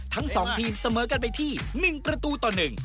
ทั้งสองทีมเสมอกันไปที่หนึ่งประตูต่อหนึ่ง